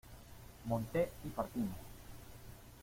monté y partimos.